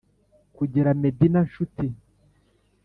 kugera medina, nshuti?